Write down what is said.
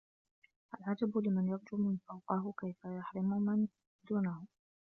الْعَجَبُ لِمَنْ يَرْجُو مَنْ فَوْقَهُ كَيْفَ يَحْرِمُ مَنْ دُونَهُ